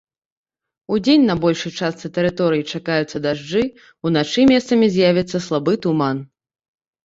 Удзень на большай частцы тэрыторыі чакаюцца дажджы, уначы месцамі з'явіцца слабы туман.